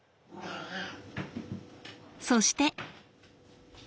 そして。